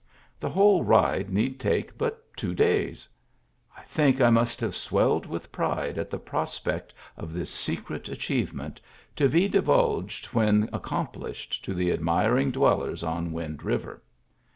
The whole ride need take but two days. I think I must have swelled with pride at the prospect of this secret achievement, to be divulged, when accom plished, to the admiring dwellers on Wind River.